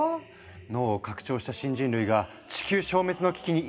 脳を拡張した新人類が地球消滅の危機に今立ち向かう！